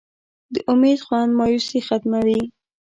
د امید خوند مایوسي ختموي.